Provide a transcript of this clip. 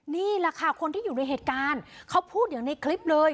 นี่แหละค่ะคนที่อยู่ในเหตุการณ์เขาพูดอย่างในคลิปเลย